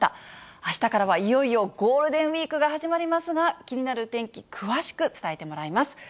あしたからはいよいよゴールデンウィークが始まりますが、気になる天気、詳しく伝えてもらいます。